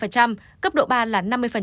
cấp độ ba là năm mươi